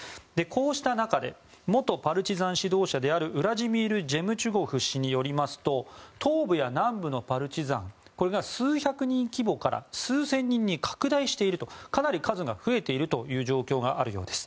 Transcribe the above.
こうした中で元パルチザン指導者であるウラジミル・ジェムチュゴフ氏によりますと東部や南部のパルチザンこれが数百人規模から数千人に拡大しているとかなり数が増えているという状況があるようです。